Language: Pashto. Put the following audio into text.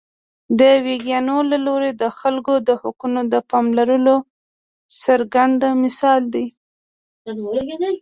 د ویګیانو له لوري د خلکو د حقونو د پایمالولو څرګند مثال دی.